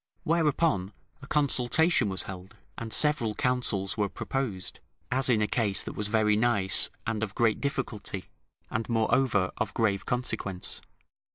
Whereupon a consultation was held, and several counsels were proposed, as in a case that was very nice and of great difficulty; and moreover of grave consequence.